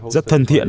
rất thân thiện